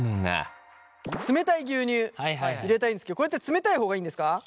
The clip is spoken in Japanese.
冷たい牛乳入れたいんですけどこれって冷たい方がいいんですか？